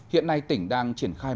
hiện nay tỉnh đang triển khai